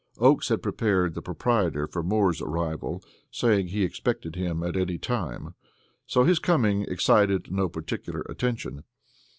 Oakes had prepared the proprietor for Moore's arrival, saying he expected him at any time; so his coming excited no particular attention.